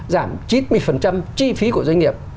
giảm chín mươi chi phí của doanh nghiệp